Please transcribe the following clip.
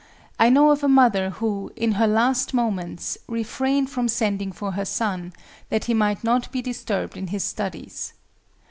I know of a mother who, in her last moments, refrained from sending for her son, that he might not be disturbed in his studies.